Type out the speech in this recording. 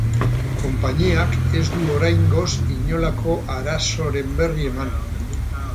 Konpainiak ez du oraingoz inolako arazoren berri eman.